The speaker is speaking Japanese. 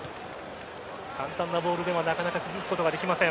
簡単なボールではなかなか崩すことができません。